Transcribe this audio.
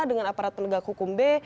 dengan aparat penegak hukum b